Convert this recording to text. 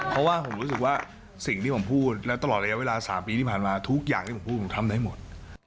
เพราะว่าผมรู้สึกว่าสิ่งที่ผมพูดแล้วตลอดระยะเวลา๓ปีที่ผ่านมาทุกอย่างที่ผมพูดผมทำได้หมด